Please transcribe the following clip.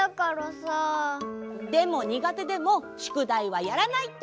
でもにがてでもしゅくだいはやらないと！